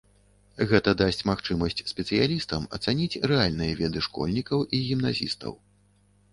Гэта дасць магчымасць спецыялістам ацаніць рэальныя веды школьнікаў і гімназістаў.